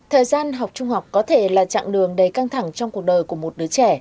thời gian học trung học có thể là chặng đường đầy căng thẳng trong cuộc đời của một đứa trẻ